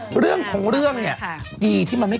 คุณหมอโดนกระช่าคุณหมอโดนกระช่า